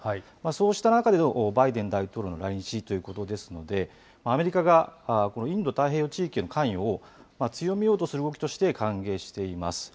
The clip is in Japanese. そうした中でのバイデン大統領の来日ということですので、アメリカが、このインド太平洋地域への関与を強めようとする動きとして歓迎しています。